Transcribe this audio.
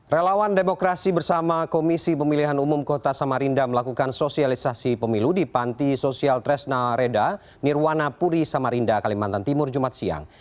relawan demokrasi bersama komisi pemilihan umum kota samarinda melakukan sosialisasi pemilu di panti sosial tresna reda nirwana puri samarinda kalimantan timur jumat siang